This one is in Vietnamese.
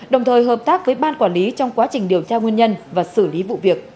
đồng thời hợp tác với ban quản lý trong quá trình điều tra nguyên nhân và xử lý vụ việc